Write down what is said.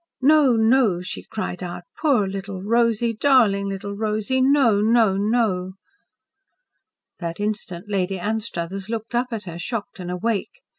"No! no!" she cried out. "Poor little Rosy! Darling little Rosy! No! no! no!" That instant Lady Anstruthers looked up at her shocked and awake.